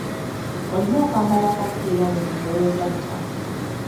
Olina okwambala akapiira buli lwe weegatta.